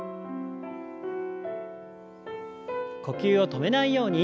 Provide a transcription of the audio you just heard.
呼吸を止めないように。